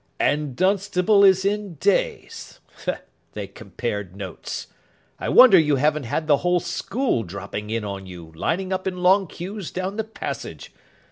"And Dunstable is in Day's. They compared notes. I wonder you haven't had the whole school dropping in on you, lining up in long queues down the passage.